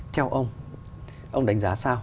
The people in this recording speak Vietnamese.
theo ông ông đánh giá sao